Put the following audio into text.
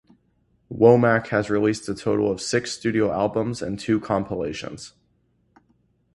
Womack has released a total of six studio albums and two compilations.